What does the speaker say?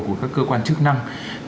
của các cơ quan chức năng